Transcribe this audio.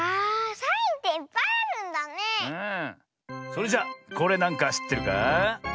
それじゃこれなんかしってるかあ？